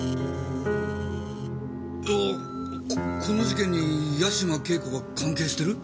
ここの事件に八島景子が関係してる？